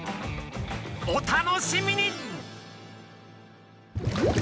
お楽しみに！